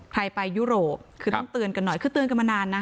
ใครไปยุโรปคือต้องเตือนกันหน่อยคือเตือนกันมานานนะ